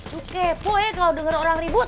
gue kepo ya kalau denger orang ribut